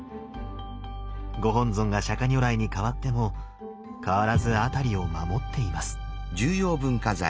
ご本尊が釈如来に変わっても変わらず辺りを守っています。